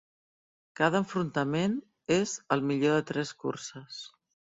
Cada enfrontament és al millor de tres curses.